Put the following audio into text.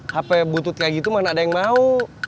hp butut kayak gitu mana ada yang mau